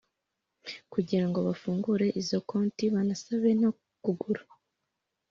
Kugira ngo bafungure izo konti banasabe kugura